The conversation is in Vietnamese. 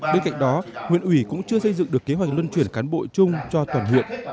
bên cạnh đó huyện ủy cũng chưa xây dựng được kế hoạch luân chuyển cán bộ chung cho toàn huyện